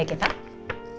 untuk vitamin dan obat panas